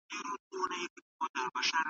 د نجلۍ کورنۍ له خپلو معيارونو سره پرتله کړئ.